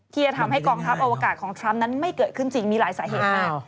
ที่จะทำให้กองทัพอวกาศของทรัมป์นั้นไม่เกิดขึ้นจริงมีหลายสาเหตุมาก